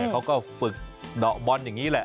เขาก็ฝึกเดาะบอลอย่างนี้แหละ